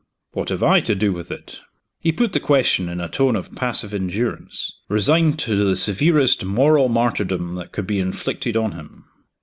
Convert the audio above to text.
"What have I to do with it?" He put the question in a tone of passive endurance resigned to the severest moral martyrdom that could be inflicted on him.